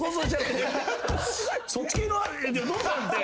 そっち系のドンさんって。